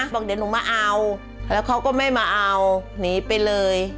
บอกเดี๋ยวหนูมาเอาแล้วเขาก็ไม่มาเอาหนีไปเลย